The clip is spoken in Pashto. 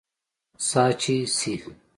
سا چې سي